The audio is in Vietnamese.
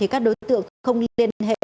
các đối tượng không liên hệ